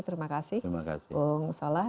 terima kasih bung solah